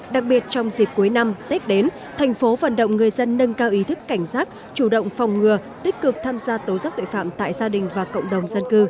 đặc biệt trong dịp cuối năm tết đến thành phố vận động người dân nâng cao ý thức cảnh giác chủ động phòng ngừa tích cực tham gia tố giác tội phạm tại gia đình và cộng đồng dân cư